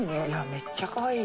めっちゃかわいい。